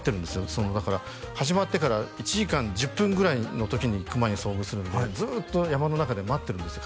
そのだから始まってから１時間１０分ぐらいの時に熊に遭遇するんでずっと山の中で待ってるんですよ